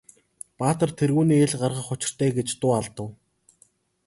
Баатар тэргүүнээ ил гаргах учиртай гэж дуу алдав.